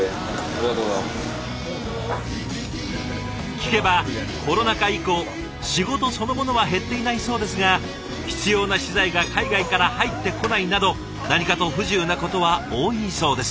聞けばコロナ禍以降仕事そのものは減っていないそうですが必要な資材が海外から入ってこないなど何かと不自由なことは多いそうです。